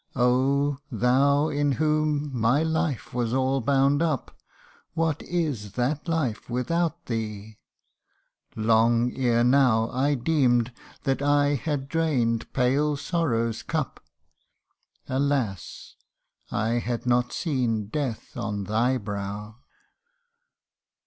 Oh i thou in whom my life was all bound up, What is that life without thee ? Long ere now I deem'd that I had drain 'd pale sorrow's cup Alas ! I had not seen death on thy brow.